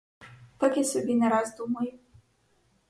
Так я собі не раз думаю.